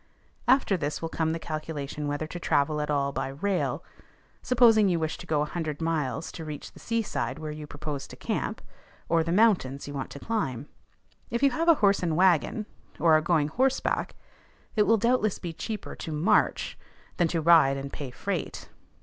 After this will come the calculation whether to travel at all by rail, supposing you wish to go a hundred miles to reach the seaside where you propose to camp, or the mountains you want to climb. If you have a horse and wagon, or are going horseback, it will doubtless be cheaper to march than to ride and pay freight.